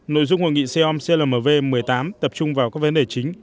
nội dung hội nghị xeom clmv một mươi tám tập trung vào các vấn đề chính